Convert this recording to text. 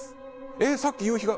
え、さっき夕日が。